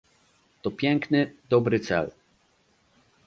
To piękny, dobry cel